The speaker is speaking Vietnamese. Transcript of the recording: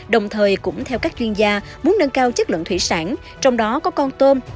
đồng thời cũng theo các chuyên gia muốn nâng cao chất lượng thủy sản trong đó có con tôm